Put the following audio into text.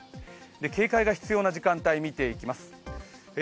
警戒が必要な時間帯を見ていきます。